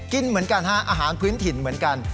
กินเหมือนกันฮะอาหารพื้นถิ่นเหมือนกัน